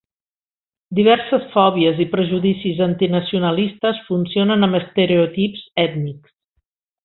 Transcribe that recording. Diverses fòbies i prejudicis antinacionalistes funcionen amb estereotips ètnics.